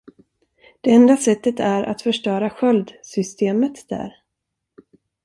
Det enda sättet är att förstöra sköldsystemet där.